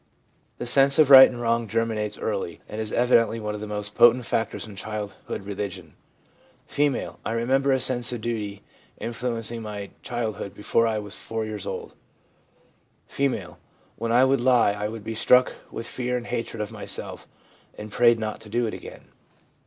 The sense of right and wrong germinates early, and is evidently one of the most potent factors in childhood religion. F. ' I remember a sense of duty influencing my childhood before I was 4 years old.' F. 'When I would lie I would be struck with fear and hatred of myself, and prayed not to do it again.'